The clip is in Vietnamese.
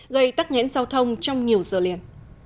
gây tắt nghẽn giao thông trong nhiều giờ liền